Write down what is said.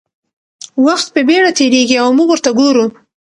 وخت په بېړه تېرېږي او موږ ورته ګورو.